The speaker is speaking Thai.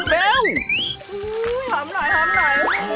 อื้อหัมหน่อยหัมหน่อย